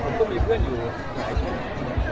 ผมต้องมีเพื่อนอยู่หลายช่อง